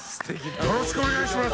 よろしくお願いします